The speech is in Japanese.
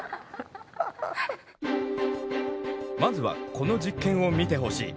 まずはこの実験を見てほしい。